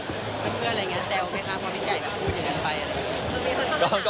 เพื่อนอะไรอย่างนี้แซวไหมคะพอพี่ไก่จะพูดอย่างนั้นไปอะไรอย่างนี้